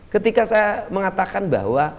ketika saya mengatakan bahwa